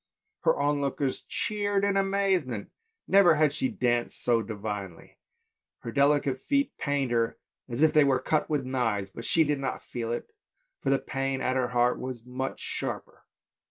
The onlookers cheered her in amazement, never had she danced so divinely; her delicate feet pained her as if they were cut with knives, but she did not feel it, for the pain at her heart was much sharper.